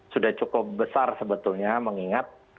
sudah cukup besar sebetulnya mengingat